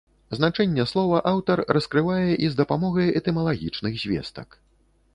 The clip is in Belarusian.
Значэнне слова аўтар раскрывае і з дапамогай этымалагічных звестак.